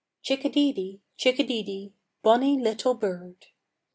Chick a dee dee, chick a dee dee, Bonny little bird!